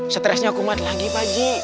stresnya kumat lagi baji